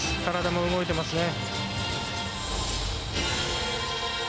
体も動いてますね。